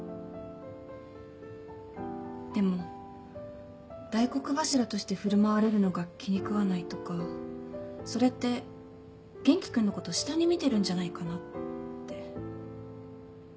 でも大黒柱として振る舞われるのが気に食わないとかそれって元気君のこと下に見てるんじゃないかなって。